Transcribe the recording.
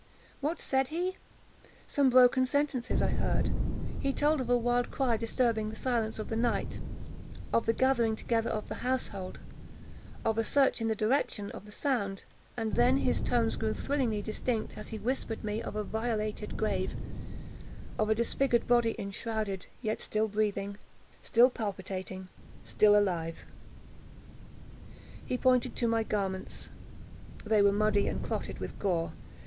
What said he?—some broken sentences I heard. He told of a wild cry disturbing the silence of the night—of the gathering together of the household—of a search in the direction of the sound; and then his tones grew thrillingly distinct as he whispered me of a violated grave—of a disfigured body enshrouded, yet still breathing—still palpitating—still alive! He pointed to garments;—they were muddy and clotted with gore.